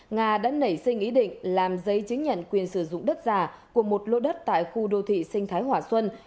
nga đã nảy sinh ý định làm giấy chứng nhận quyền sử dụng đất giả của một lô đất tại khu đô thị sinh thái hòa xuân